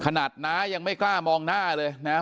ขนาดน้ายังไม่กล้ามองหน้าเลยนะฮะ